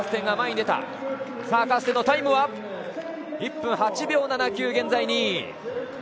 カーステンのタイムは１分８秒７９現在２位。